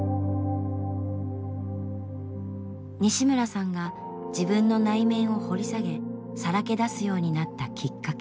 西村さんが自分の内面を掘り下げさらけ出すようになったきっかけ。